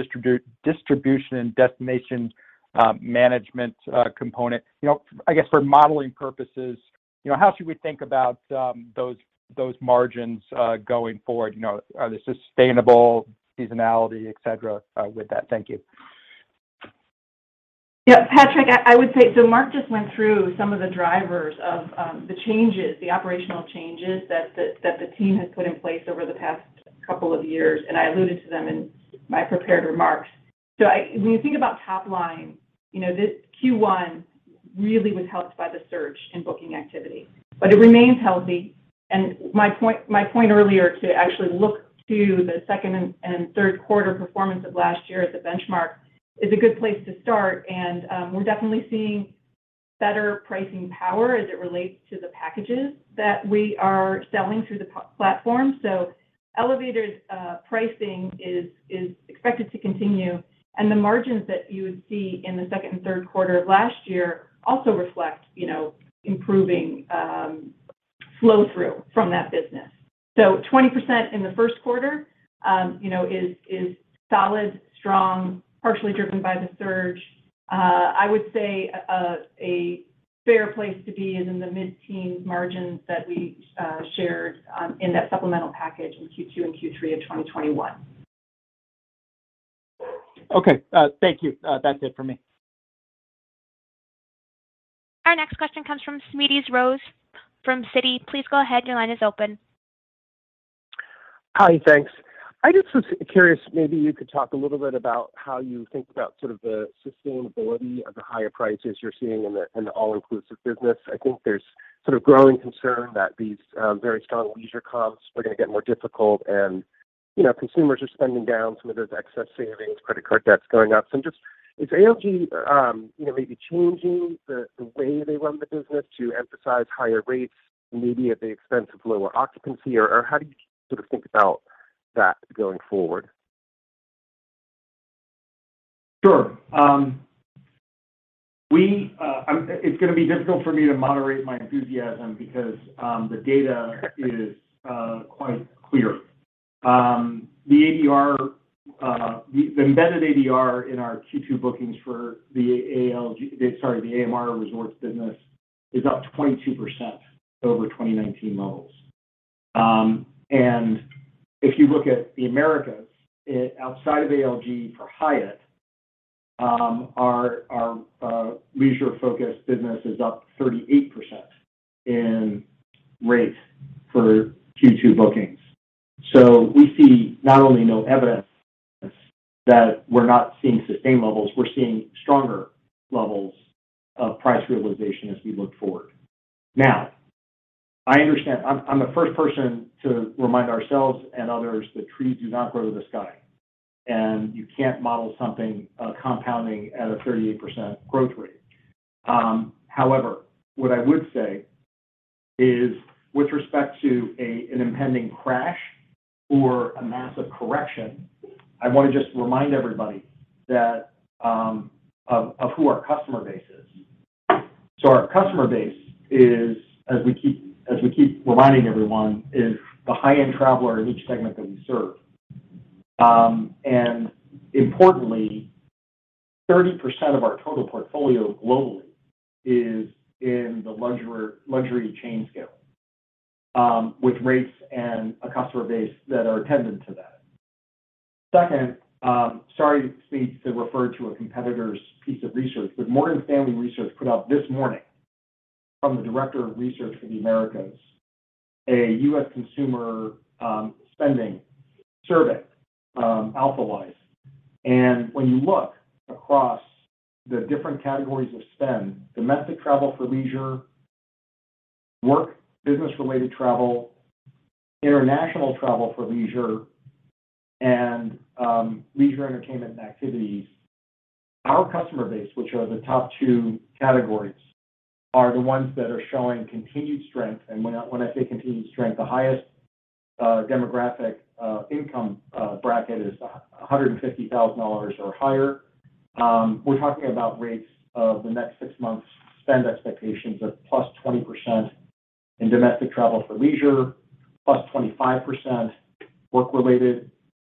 distribution and destination management component. You know, I guess for modeling purposes, you know, how should we think about those margins going forward? You know, are they sustainable seasonality, et cetera, with that? Thank you. Yeah. Patrick, I would say. Mark just went through some of the drivers of the changes, the operational changes that the team has put in place over the past couple of years, and I alluded to them in my prepared remarks. When you think about top line, you know, this Q1 really was helped by the surge in booking activity, but it remains healthy. My point earlier to actually look to the second and Q3 performance of last year as a benchmark is a good place to start. We're definitely seeing better pricing power as it relates to the packages that we are selling through the platform. Elevated pricing is expected to continue, and the margins that you would see in the second and Q3 of last year also reflect improving flow-through from that business. 20% in the Q1 is solid, strong, partially driven by the surge. I would say a fair place to be is in the mid-teens margins that we shared in that supplemental package in Q2 and Q3 of 2021. Okay. Thank you. That's it for me. Our next question comes from Smedes Rose from Citi. Please go ahead. Your line is open. Hi. Thanks. I just was curious, maybe you could talk a little bit about how you think about sort of the sustainability of the higher prices you're seeing in the, in the all-inclusive business. I think there's sort of growing concern that these very strong leisure comps are gonna get more difficult and, you know, consumers are spending down some of those excess savings, credit card debt's going up. So just is ALG, you know, maybe changing the way they run the business to emphasize higher rates maybe at the expense of lower occupancy? Or how do you sort of think about that going forward? Sure. It's gonna be difficult for me to moderate my enthusiasm because the data is quite clear. The embedded ADR in our Q2 bookings for the AMR Resorts business is up 22% over 2019 levels. If you look at the Americas, outside of ALG for Hyatt, our leisure focused business is up 38% in rate for Q2 bookings. We see not only no evidence that we're not seeing sustained levels, we're seeing stronger levels of price realization as we look forward. Now, I understand. I'm the first person to remind ourselves and others that trees do not grow to the sky, and you can't model something compounding at a 38% growth rate. However, what I would say is with respect to an impending crash or a massive correction, I want to just remind everybody that of who our customer base is. Our customer base is, as we keep reminding everyone, is the high-end traveler in each segment that we serve. Importantly, 30% of our total portfolio globally is in the luxury chain scale, with rates and a customer base that are attendant to that. Second, sorry to refer to a competitor's piece of research, but Morgan Stanley Research put out this morning from the director of research for the Americas, a U.S. consumer spending survey, AlphaWise. When you look across the different categories of spend, domestic travel for leisure, work, business related travel, international travel for leisure, and leisure entertainment and activities, our customer base, which are the top two categories, are the ones that are showing continued strength. When I say continued strength, the highest demographic income bracket is $150,000 or higher. We're talking about rates of the next six months spend expectations of +20% in domestic travel for leisure, +25% work related,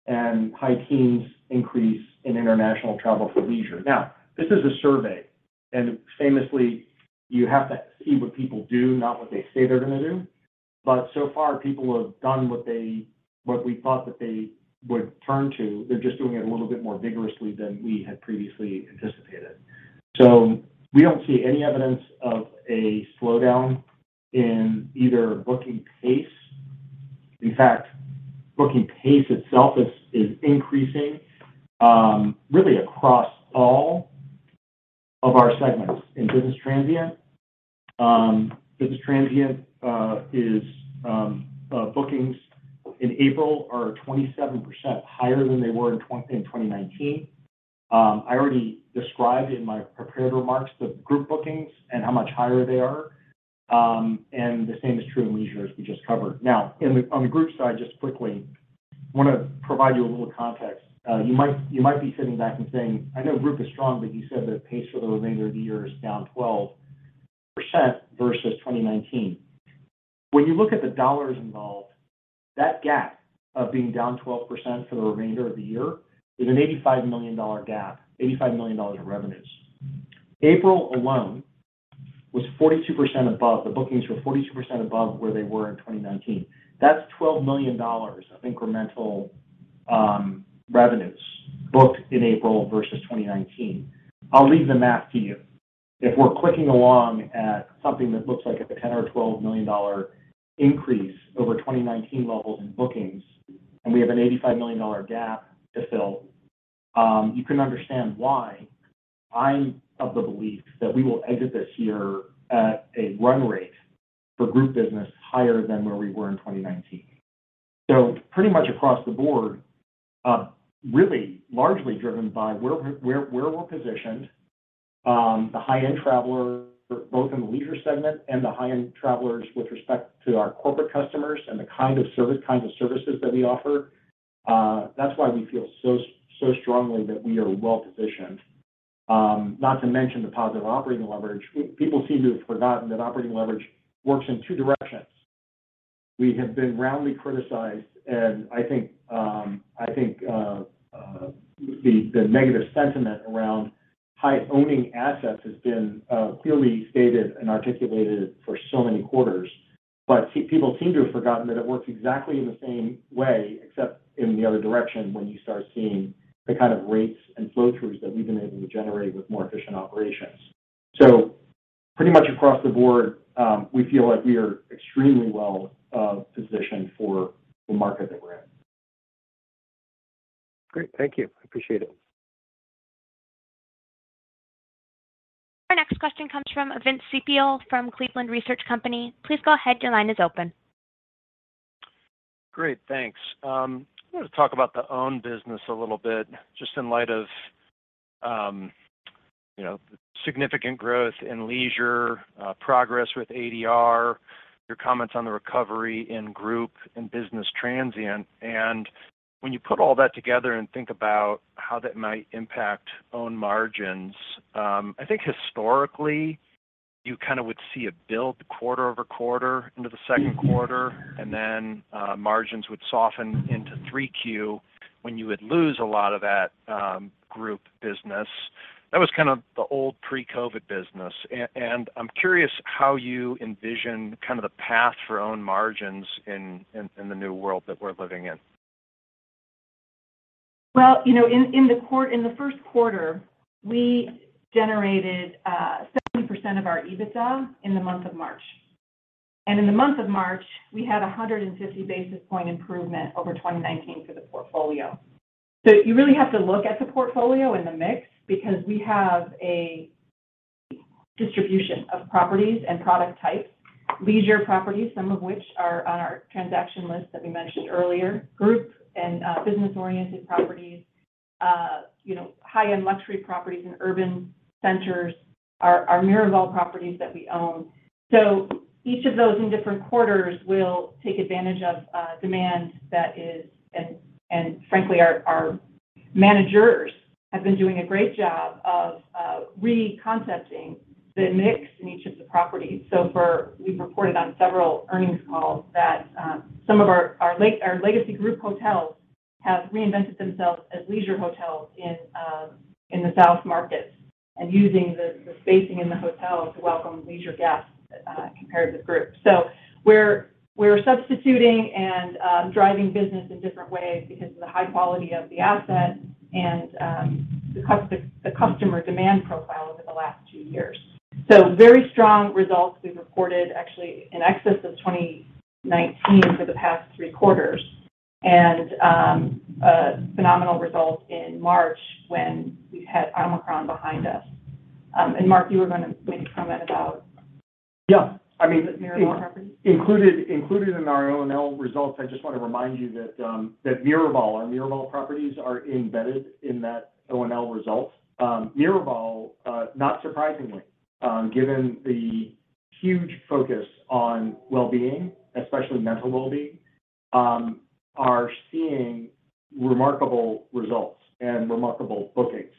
and high teens increase in international travel for leisure. Now, this is a survey, and famously, you have to see what people do, not what they say they're going to do. So far, people have done what we thought that they would turn to. They're just doing it a little bit more vigorously than we had previously anticipated. We don't see any evidence of a slowdown in either booking pace. In fact, booking pace itself is increasing really across all of our segments. In business transient bookings in April are 27% higher than they were in 2019. I already described in my prepared remarks the group bookings and how much higher they are. The same is true in leisure as we just covered. Now on the group side, just quickly, I want to provide you a little context. You might be sitting back and saying, "I know group is strong, but you said that pace for the remainder of the year is down 12% versus 2019." When you look at the dollars involved, that gap of being down 12% for the remainder of the year is an $85 million gap, $85 million in revenues. April alone was 42% above. The bookings were 42% above where they were in 2019. That's $12 million of incremental revenues booked in April versus 2019. I'll leave the math to you. If we're clicking along at something that looks like it's a $10 or $12 million increase over 2019 levels in bookings, and we have an $85 million gap to fill, you can understand why I'm of the belief that we will exit this year at a run rate for group business higher than where we were in 2019. Pretty much across the board, really largely driven by where we're positioned, the high-end traveler both in the leisure segment and the high-end travelers with respect to our corporate customers and the kinds of services that we offer, that's why we feel so strongly that we are well positioned. Not to mention the positive operating leverage. People seem to have forgotten that operating leverage works in two directions. We have been roundly criticized, and I think, the negative sentiment around owning assets has been clearly stated and articulated for so many quarters. People seem to have forgotten that it works exactly in the same way, except in the other direction when you start seeing the kind of rates and flow-throughs that we've been able to generate with more efficient operations. Pretty much across the board, we feel like we are extremely well positioned for the market that we're in. Great. Thank you. I appreciate it. Our next question comes from Vince Ciepiel from Cleveland Research Company. Please go ahead. Your line is open. Great. Thanks. I wanted to talk about the owned business a little bit, just in light of you know, significant growth in leisure, progress with ADR, your comments on the recovery in group and business transient. When you put all that together and think about how that might impact own margins, I think historically, you kind of would see a build quarter over quarter into the second quarter, and then, margins would soften into 3Q when you would lose a lot of that group business. That was kind of the old pre-COVID business. I'm curious how you envision kind of the path for own margins in the new world that we're living in. Well, you know, in the Q1, we generated 70% of our EBITDA in the month of March. In the month of March, we had a 150 basis point improvement over 2019 for the portfolio. You really have to look at the portfolio and the mix because we have a distribution of properties and product types, leisure properties, some of which are on our transaction list that we mentioned earlier, group and business-oriented properties, you know, high-end luxury properties in urban centers, our Miraval properties that we own. Each of those in different quarters will take advantage of demand that is. Frankly, our managers have been doing a great job of reconcepting the mix in each of the properties. We've reported on several earnings calls that some of our legacy group hotels have reinvented themselves as leisure hotels in the south markets and using the spacing in the hotel to welcome leisure guests, compared with group. We're substituting and driving business in different ways because of the high quality of the asset and the customer demand profile over the last two years. Very strong results we reported actually in excess of 2019 for the past Q3 and a phenomenal result in March when we had Omicron behind us. Mark, you were gonna maybe comment about- Yeah. I mean. The Miraval properties Included in our O&O results, I just wanna remind you that Miraval, our Miraval properties are embedded in that O&O result. Miraval, not surprisingly, given the huge focus on well-being, especially mental well-being, are seeing remarkable results and remarkable bookings.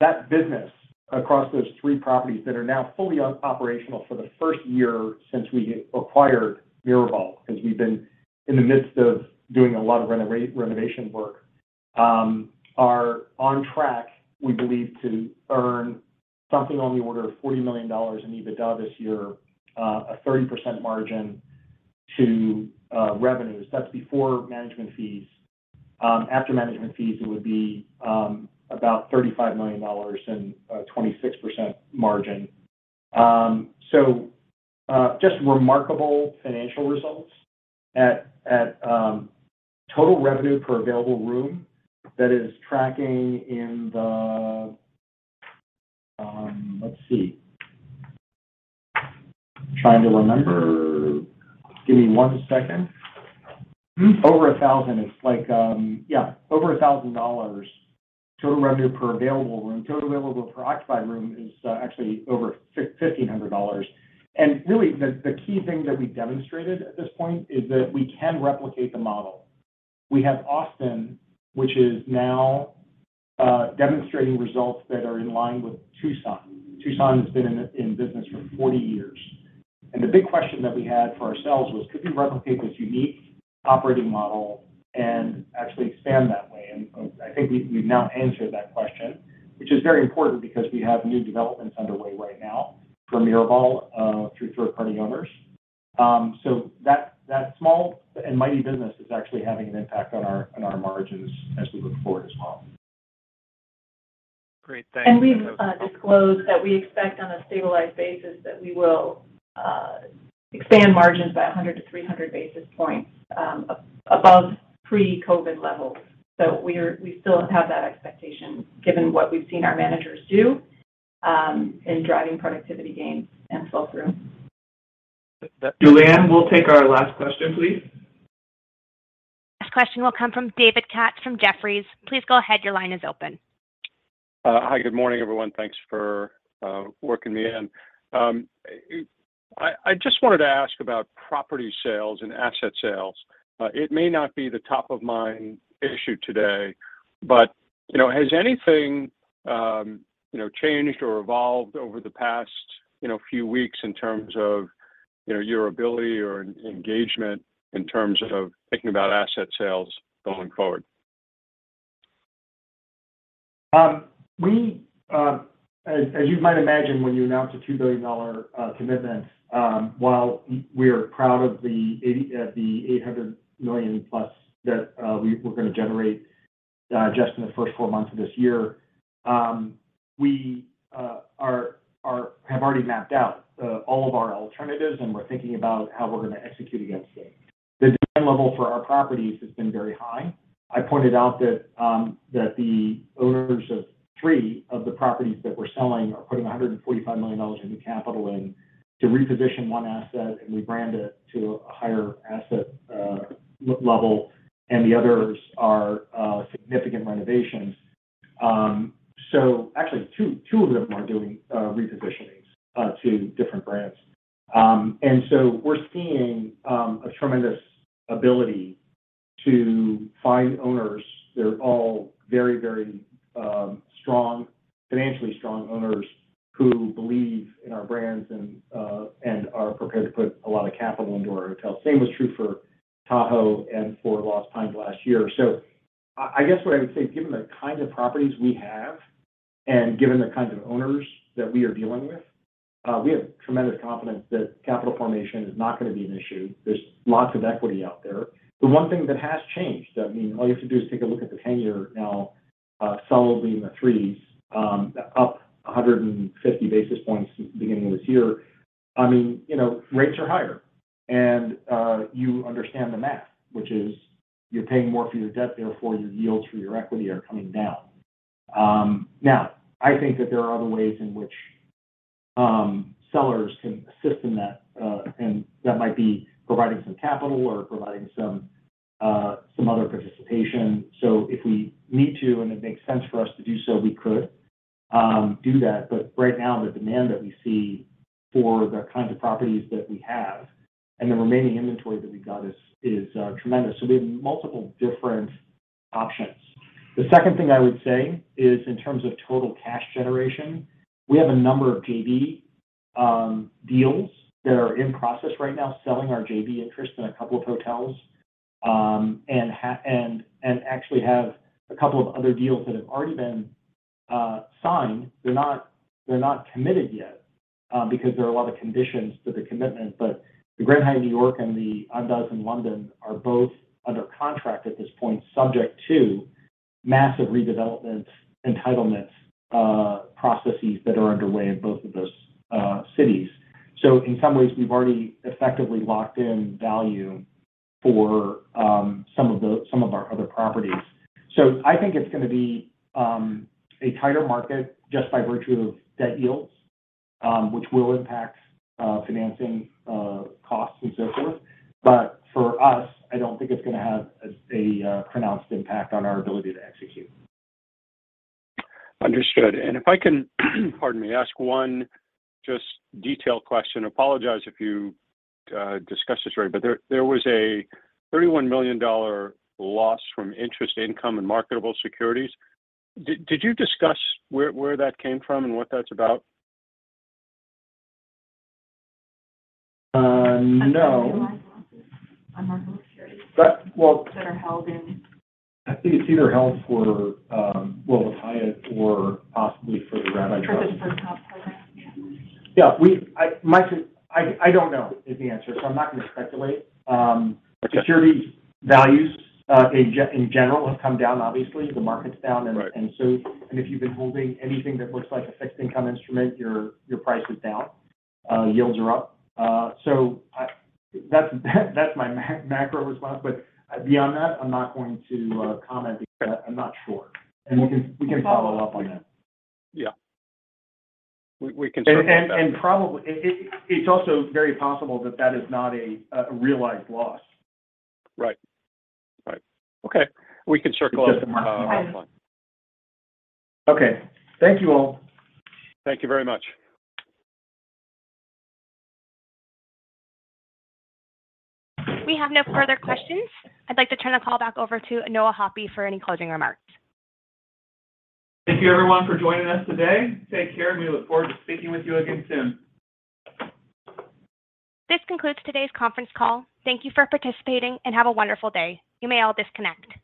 That business across those three properties that are now fully operational for the first year since we acquired Miraval, because we've been in the midst of doing a lot of renovation work, are on track, we believe, to earn something on the order of $40 million in EBITDA this year, a 30% margin to revenues. That's before management fees. After management fees, it would be about $35 million and 26% margin. Just remarkable financial results at total revenue per available room that is tracking in the... Let's see. Trying to remember. Give me one second. Over 1,000. It's like, yeah, over $1,000 total revenue per available room. Total revenue per occupied room is actually over $1,500. Really, the key thing that we demonstrated at this point is that we can replicate the model. We have Austin, which is now demonstrating results that are in line with Tucson. Tucson has been in business for 40 years. The big question that we had for ourselves was, could we replicate this unique operating model and actually expand that way? I think we've now answered that question, which is very important because we have new developments underway right now for Miraval through third-party owners. That small and mighty business is actually having an impact on our margins as we look forward as well. Great. Thanks. We've disclosed that we expect on a stabilized basis that we will expand margins by 100-300 basis points above pre-COVID levels. We're still have that expectation given what we've seen our managers do in driving productivity gains and flow-through. Julianne, we'll take our last question, please. Last question will come from David Katz from Jefferies. Please go ahead. Your line is open. Hi. Good morning, everyone. Thanks for working me in. I just wanted to ask about property sales and asset sales. It may not be the top-of-mind issue today, but you know, has anything you know, changed or evolved over the past you know, few weeks in terms of you know, your ability or engagement in terms of thinking about asset sales going forward? As you might imagine, when you announce a $2 billion commitment, while we are proud of the $800 million plus that we're gonna generate just in the first four months of this year, we have already mapped out all of our alternatives, and we're thinking about how we're gonna execute against it. The demand level for our properties has been very high. I pointed out that the owners of three of the properties that we're selling are putting $145 million of new capital in to reposition one asset and rebrand it to a higher asset level, and the others are significant renovations. Actually two of them are doing repositionings, two different brands. We're seeing a tremendous ability to find owners. They're all very strong, financially strong owners who believe in our brands and are prepared to put a lot of capital into our hotels. Same was true for Tahoe and for Lost Pines last year. I guess what I would say, given the kind of properties we have, and given the kinds of owners that we are dealing with, we have tremendous confidence that capital formation is not gonna be an issue. There's lots of equity out there. The one thing that has changed, I mean, all you have to do is take a look at the 10-year now, solidly in the threes, up 150 basis points since the beginning of this year. I mean, you know, rates are higher, and you understand the math, which is you're paying more for your debt, therefore your yields for your equity are coming down. Now I think that there are other ways in which sellers can assist in that, and that might be providing some capital or providing some other participation. If we need to, and it makes sense for us to do so, we could do that. Right now, the demand that we see for the kinds of properties that we have and the remaining inventory that we got is tremendous. We have multiple different options. The second thing I would say is in terms of total cash generation, we have a number of JV deals that are in process right now, selling our JV interest in a couple of hotels. Actually have a couple of other deals that have already been signed. They're not committed yet, because there are a lot of conditions to the commitment, but the Grand Hyatt New York and the Andaz in London are both under contract at this point, subject to massive redevelopment entitlement processes that are underway in both of those cities. In some ways, we've already effectively locked in value for some of our other properties. I think it's gonna be a tighter market just by virtue of debt yields, which will impact financing costs and so forth. For us, I don't think it's gonna have a pronounced impact on our ability to execute. Understood. If I can, pardon me, ask one just detailed question. Apologize if you discussed this already, but there was a $31 million loss from interest income and marketable securities. Did you discuss where that came from and what that's about? No. Unrealized losses on marketable securities that are held in. I think it's either held for La Jolla or possibly for the Rabbi program. For the hotel program, yeah. Yeah. I don't know is the answer, so I'm not gonna speculate. Okay. Securities values, in general, have come down, obviously the market's down and Right. If you've been holding anything that looks like a fixed income instrument, your price is down, yields are up. That's my macro response, but beyond that, I'm not going to comment because I'm not sure. We can follow up on that. Yeah. We can circle back on that. It's also very possible that that is not a realized loss. Right. Okay. We can circle on, offline. Okay. Thank you all. Thank you very much. We have no further questions. I'd like to turn the call back over to Noah Hoppe for any closing remarks. Thank you everyone for joining us today. Take care, and we look forward to speaking with you again soon. This concludes today's conference call. Thank you for participating and have a wonderful day. You may all disconnect.